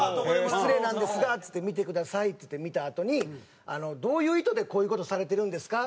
「失礼なんですが」っつって「見てください」って見たあとに「どういう意図でこういう事されてるんですか？」